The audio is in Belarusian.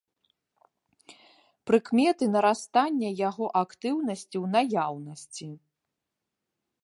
Прыкметы нарастання яго актыўнасці ў наяўнасці.